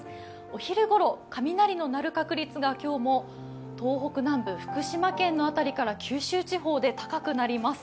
お昼ごろ、雷の鳴る確率が今日も東北南部、福島県の辺りから九州地方で高くなります。